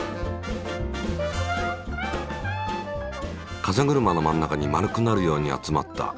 風車の真ん中に丸くなるように集まった。